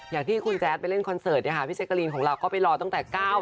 อย่างที่คุณแจ๊ดไปเล่นคอนเสิร์ตเนี่ยค่ะพี่เจ๊กรีนของเราก็ไปรอตั้งแต่๙๐